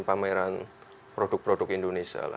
pameran produk produk indonesia